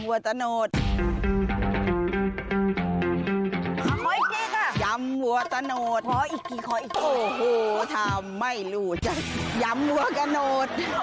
โอ้โฮถ้าไม่รู้จะย้ำว่ากระโนธ